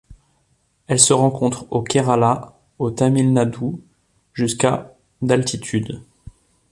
Elle se rencontre au Kerala, au Tamil Nadu jusqu'à d'altitude.